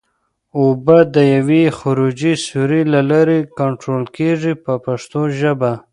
اوبه د یوې خروجي سوري له لارې کنټرول کېږي په پښتو ژبه.